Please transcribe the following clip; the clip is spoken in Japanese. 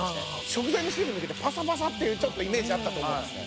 食材の水分抜けてパサパサっていうイメージあったと思うんですね。